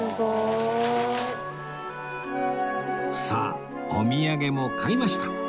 さあお土産も買いました